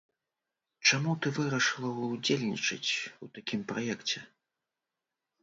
Чаму ты вырашыла ўдзельнічаць у такім праекце?